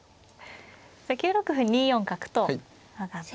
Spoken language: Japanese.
さあ９六歩２四角と上がって。